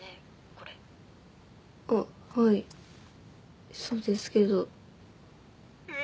これあっはいそうですけどう